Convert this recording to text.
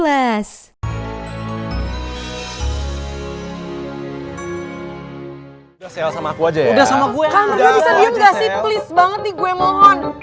udah gua sudah tungguin